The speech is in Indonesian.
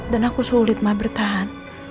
dan aku sulit ma bertahan